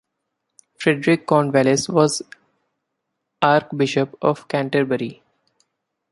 Frederick Cornwallis, was Archbishop of Canterbury.